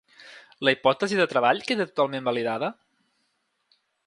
La hipòtesi de treball queda totalment validada?